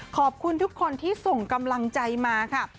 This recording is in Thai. ขอบคุณทุกคนที่ส่งกำลังใจมาค่ะ